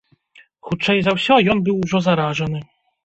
Хутчэй за ўсё, ён быў ужо заражаны.